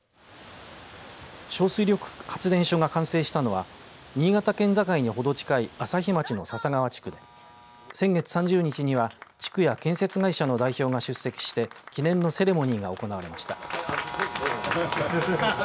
小水力発電所が完成したのは新潟県境にほど近い朝日町の笹川地区で先月３０日には地区や建設会社の代表が出席して記念のセレモニーが行われました。